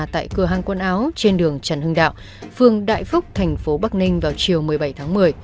tại cửa hàng quần áo trên đường trần hưng đạo phường đại phúc thành phố bắc ninh vào chiều một mươi bảy tháng một mươi